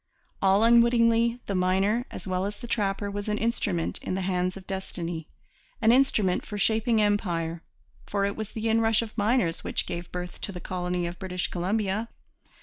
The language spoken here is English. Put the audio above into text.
All unwittingly, the miner, as well as the trapper, was an instrument in the hands of destiny, an instrument for shaping empire; for it was the inrush of miners which gave birth to the colony of British Columbia.